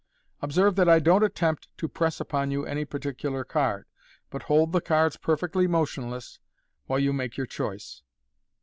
Observe that I don't attempt to press upon you any particular card, but hold the cards perfectly motionless while you make your choice."